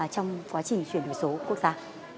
trong quá trình chuyển đổi số quốc gia